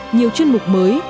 nhiều chuyên mục mới